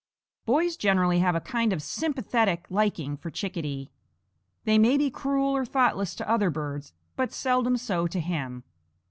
Boys generally have a kind of sympathetic liking for Chickadee. They may be cruel or thoughtless to other birds, but seldom so to him.